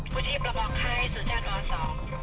ผู้ชีพเราบอกให้สุจรรย์ว่า๒